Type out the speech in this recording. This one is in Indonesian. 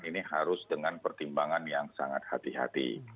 ini harus dengan pertimbangan yang sangat hati hati